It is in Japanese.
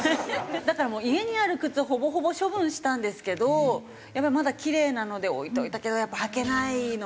だから家にある靴ほぼほぼ処分したんですけどやっぱりまだキレイなので置いておいたけどやっぱり履けないので。